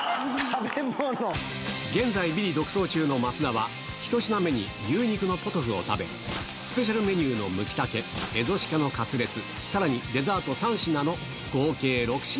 現在ビリ独走中の増田は、１品目に牛肉のポトフを食べ、スペシャルメニューのムキタケ、蝦夷鹿のカツレツ、さらにデザート３品の合計６品。